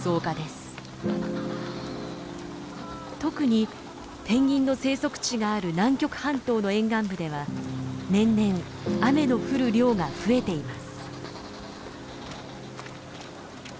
特にペンギンの生息地がある南極半島の沿岸部では年々雨の降る量が増えています。